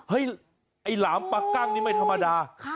ไอ้หลามปลากั้งนี่ไม่ธรรมดา